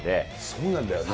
そうなんだよね。